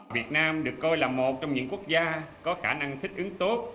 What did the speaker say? việt nam được coi là một trong những quốc gia có khả năng thích ứng tốt